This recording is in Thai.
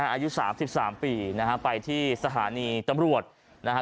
อายุ๓๓ปีนะฮะไปที่สถานีตำรวจนะฮะ